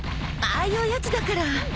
ああいうやつだから。